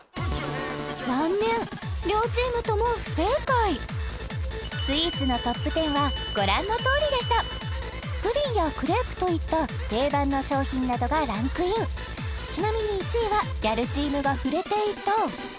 残念両チームとも不正解スイーツのトップ１０はご覧のとおりでしたプリンやクレープといった定番の商品などがランクインちなみに１位はギャルチームが触れていた